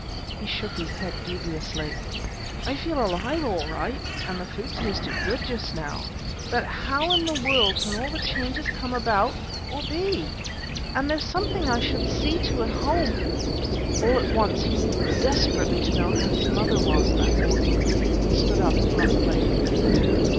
He shook his head dubiously. "I feel alive all right, and the food tasted good just now, but how in the world can all the changes come about, or be? And there's something I should see to, at home " All at once he needed desperately to know how his mother was, that morning. He stood up abruptly.